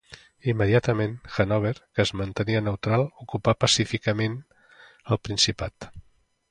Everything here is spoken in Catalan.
Immediatament Hannover, que es mantenia neutral, ocupà pacíficament el principat.